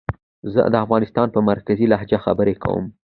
زه د افغانستان په مرکزي لهجه خبرې کووم